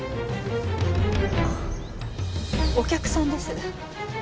あお客さんです。